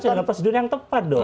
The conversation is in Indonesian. jadwal prosedur yang tepat dong